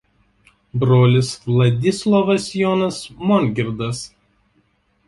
Brolis Vladislovas Jonas Mongirdas.